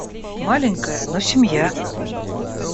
Маленькая, но семья.